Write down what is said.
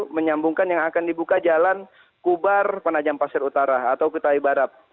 menyambungkan yang akan dibuka jalan kubar penajam pasir utara atau ketai barat